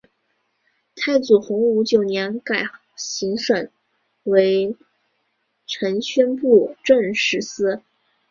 太祖洪武九年改行省为承宣布政使司。